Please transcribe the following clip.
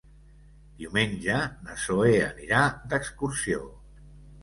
Diumenge na Zoè anirà d'excursió.